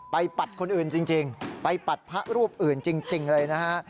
ปัดคนอื่นจริงไปปัดพระรูปอื่นจริงเลยนะฮะ